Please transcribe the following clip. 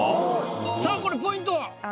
さあこれポイントは？